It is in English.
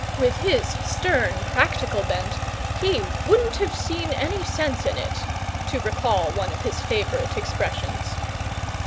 With his stern practical bent he wouldn't have seen any sense in it to recall one of his favourite expressions.